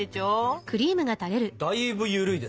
だいぶ緩いですね。